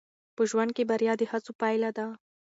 په ژوند کې بریا د هڅو پایله ده.